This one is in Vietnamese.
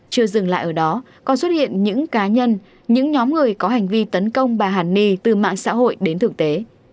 chưa dừng lại ở đó còn xuất hiện những cá nhân những nhóm người có hành vi tấn công bà hàn ni từ mạng xã hội đến thực tế